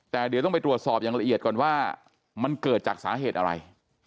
แต่เดี๋ยวต้องไปตรวจสอบอย่างละเอียดก่อนว่ามันเกิดจากสาเหตุอะไร